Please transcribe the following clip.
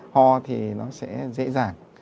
ho thì nó sẽ dễ dàng